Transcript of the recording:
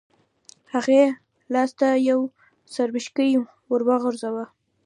هغې لاس ته یو څرمښکۍ وغورځاوه.